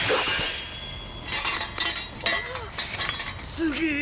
すげえ。